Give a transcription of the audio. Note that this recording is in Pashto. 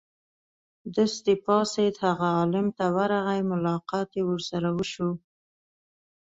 دستې پاڅېد هغه عالم ت ورغی ملاقات یې ورسره وشو.